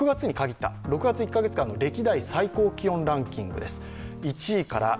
６月１カ月間の歴代最高気温ランキングです。